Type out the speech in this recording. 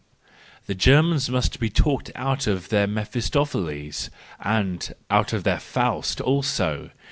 —The Germans must be talked out of their Mephistopheles—and out of their Faust also.